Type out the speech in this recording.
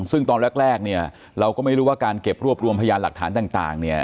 ซึ่งตอนแรกเนี่ยเราก็ไม่รู้ว่าการเก็บรวบรวมพยานหลักฐานต่างเนี่ย